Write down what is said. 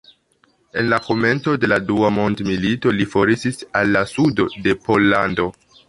En la komenco de la Dua mondmilito li foriris al la sudo de Pollando.